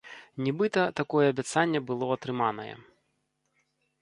Нібыта, такое абяцанне было атрыманае.